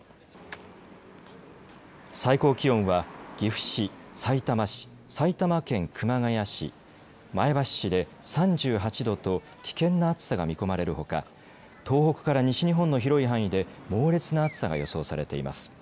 最高気温は岐阜市、さいたま市、埼玉県熊谷市、前橋市で３８度と危険な暑さが見込まれるほか東北から西日本の広い範囲で猛烈な暑さが予想されています。